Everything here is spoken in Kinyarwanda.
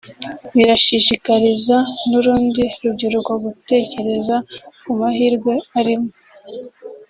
birashishikariza n’urundi rubyiruko gutekereza ku mahirwe arimo